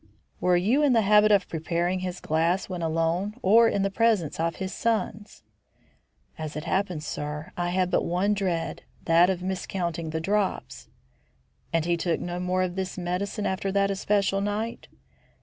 "Were you in the habit of preparing his glass when alone or in the presence of his sons?" "As it happened, sir. I had but one dread; that of miscounting the drops." "And he took no more of this medicine after that especial night?"